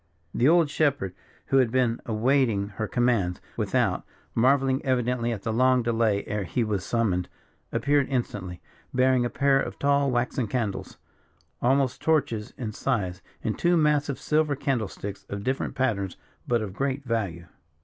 The old shepherd, who had been awaiting her commands without, marvelling evidently at the long delay ere he was summoned, appeared instantly, bearing a pair of tall waxen candles, almost torches in size, in two massive silver candle sticks of different patterns, but of great value.